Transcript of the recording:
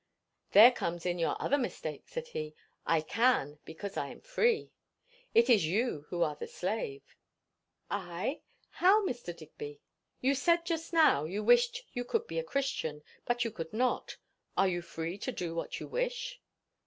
"There comes in your other mistake," said he. "I can, because I am free. It is you who are the slave." "I? How, Mr. Digby?" "You said just now, you wished you could be a Christian, but you could not. Are you free to do what you wish?"